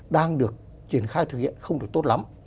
đang được triển khai thực hiện không được tốt lắm